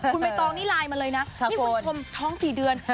คุณใบตองนี่ไลน์มาเลยนะนี่คุณผู้ชมท้อง๔เดือน